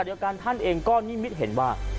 เดียวกันท่านเองก็นิมิตเห็นว่า